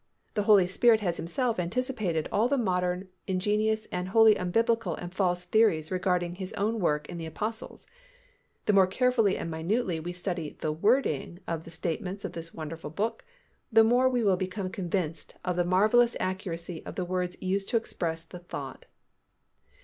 The Holy Spirit has Himself anticipated all the modern ingenious and wholly unbiblical and false theories regarding His own work in the Apostles. The more carefully and minutely we study the wording of the statements of this wonderful Book, the more we will become convinced of the marvellous accuracy of the words used to express the thought.